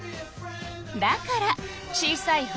だから小さい針